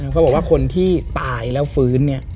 เขาบอกว่าคนที่ตายแล้วฟื้นเนี่ย